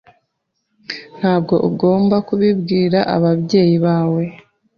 Ntabwo ugomba kubibwira ababyeyi bawe.